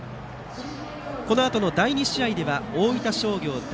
このあとの第２試合では大分商業対